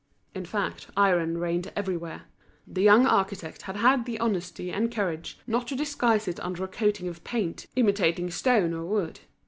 In fact, iron reigned everywhere; the young architect had had the honesty and courage not to disguise it under a coating of paint imitating stone or wood.